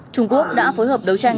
trung quốc đã phối hợp đấu tranh